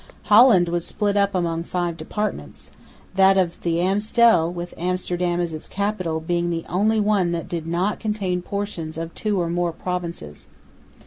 Holland was split up among five departments; that of the Amstel, with Amsterdam as its capital, being the only one that did not contain portions of two or more provinces.